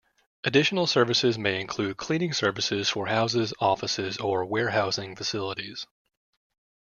Additional services may include cleaning services for houses, offices or warehousing facilities.